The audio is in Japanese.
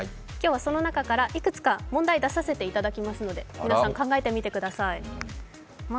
今日はその中からいくつか問題を出させていただきますので皆さん考えてみてください。